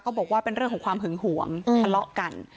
บอกว่าเป็นเรื่องของความหึงหวงทะเลาะกัน